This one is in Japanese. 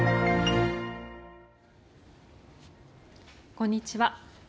こんにちは。